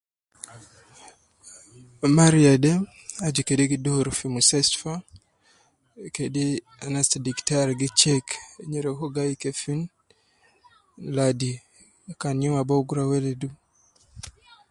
Mariya de aju kede gi doru fi mustashtfa, kede anas te diktar gi check nyereku gai kefin ladi kan youm ab uwo gi rua weledu